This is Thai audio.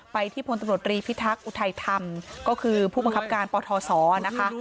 ที่พลตำรวจรีพิทักษ์อุทัยธรรมก็คือผู้บังคับการปทศนะคะ